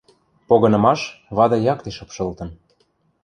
Погынымаш вады якте шыпшылтын.